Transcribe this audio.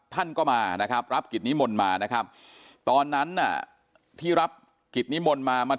ท่านก็มานะครับรับกิจนิมนต์มานะครับตอนนั้นน่ะที่รับกิจนิมนต์มามา